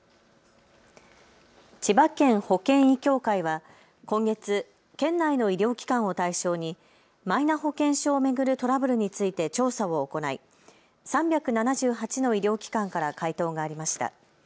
千葉県保険医協会は今月、県内の医療機関を対象にマイナ保険証を巡るトラブルについて調査を行い３７８の医療機関から回答がありました。